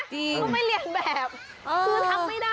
จริงคุณไม่เรียนแบบคุณทำไม่ได้